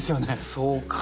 そうか。